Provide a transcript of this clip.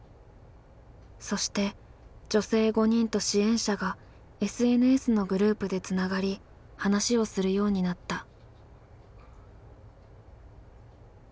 そして女性５人と支援者がＳＮＳのグループでつながり話をするようになった。